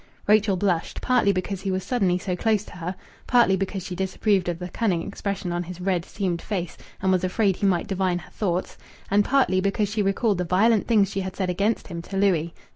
Rachel blushed, partly because he was suddenly so close to her, partly because she disapproved of the cunning expression on his red, seamed face and was afraid he might divine her thoughts, and partly because she recalled the violent things she had said against him to Louis.